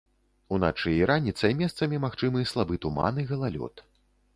Уначы і раніцай месцамі магчымы слабы туман і галалёд.